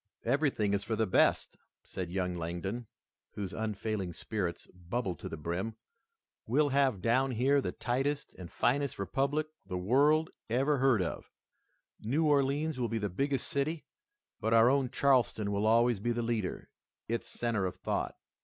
"Everything is for the best," said young Langdon, whose unfailing spirits bubbled to the brim, "we'll have down here the tightest and finest republic the world ever heard of. New Orleans will be the biggest city, but our own Charleston will always be the leader, its center of thought."